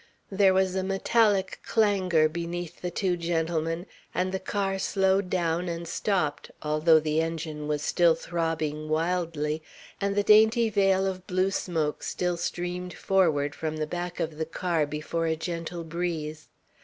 There was a metallic clangour beneath the two gentlemen, and the car slowed down and stopped although the engine was still throbbing wildly, and the dainty veil of blue smoke still streamed forward from the back of the car before a gentle breeze.